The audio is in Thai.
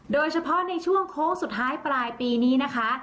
โดยเฉพาะในช่วงโค้งสุดท้ายปลายปีนี้นะคะ